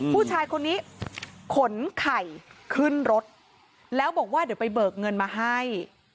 ผู้ชายคนนี้ขนไข่ขึ้นรถแล้วบอกว่าเดี๋ยวไปเบิกเงินมาให้